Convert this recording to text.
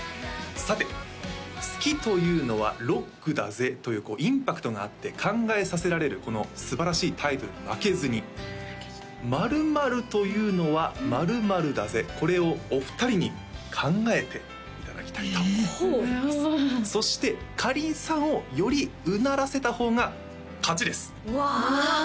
さて「好きというのはロックだぜ！」というインパクトがあって考えさせられるこのすばらしいタイトルに負けずに「○○というのは○○だぜ！」これをお二人に考えていただきたいと思いますそしてかりんさんをより唸らせた方が勝ちですうわ